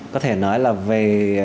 có thể nói là về